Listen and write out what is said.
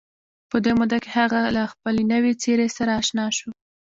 په دې موده کې هغه له خپلې نوې څېرې سره اشنا شو